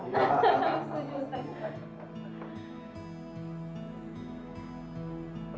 baru setelah selesai nanti kuliahnya baru kita